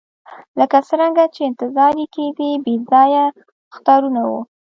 لکه څرنګه چې انتظار یې کېدی بې ځایه اخطارونه وو.